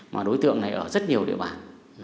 mà đối tượng này ở rất nhiều địa bàn